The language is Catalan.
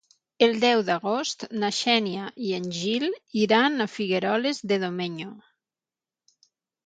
El deu d'agost na Xènia i en Gil iran a Figueroles de Domenyo.